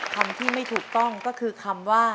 คำที่ไม่ถูกต้องก็คือคำว่า